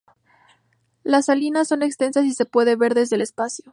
Las salinas son extensas y se pueden ver desde el espacio.